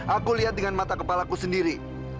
aku lihat dengan mata kepalaku sendiri